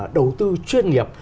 đầu tư chuyên nghiệp